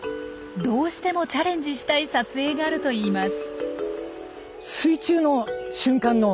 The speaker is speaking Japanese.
どうしてもチャレンジしたい撮影があるといいます。